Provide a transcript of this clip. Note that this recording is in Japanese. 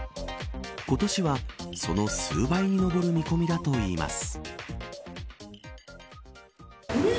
今年は、その数倍に上る見込みだといいます。